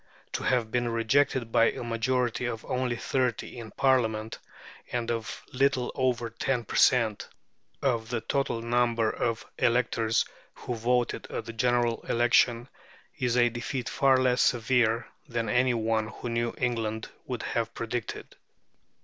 To have been rejected by a majority of only thirty in Parliament, and of little over ten per cent. of the total number of electors who voted at the general election, is a defeat far less severe than any one who knew England would have predicted.